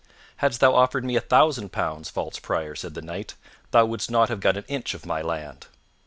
"Hadst thou offered me a thousand pounds, false prior," said the Knight, "thou wouldst not have got an inch of my land."